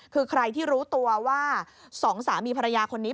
คือใครที่รู้ตัวว่าสองสามีภรรยาคนนี้